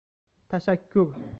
Tashakkur.